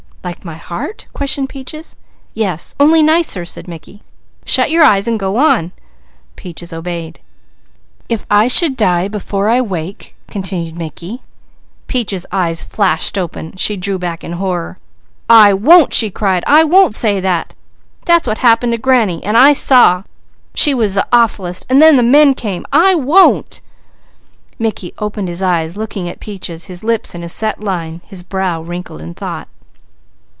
"Like my heart?" questioned Peaches. "Yes. Only nicer," said Mickey. "Shut your eyes and go on!" Peaches obeyed. "'If I should die before I wake'" continued Mickey. Peaches' eyes flashed open; she drew back in horror. "I won't!" she cried. "I won't say that. That's what happened to granny, an' I saw. She was the awfullest, an' then the men came. I won't!" Mickey opened his eyes, looking at Peaches, his lips in a set line, his brow wrinkled in thought.